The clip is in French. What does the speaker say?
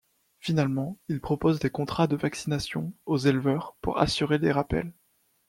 Finalement, il propose des contrats de vaccination aux éleveurs pour assurer les rappels.